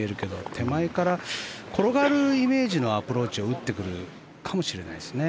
手前から転がるイメージのアプローチを打ってくるかもしれないですね。